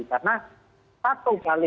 karena satu kali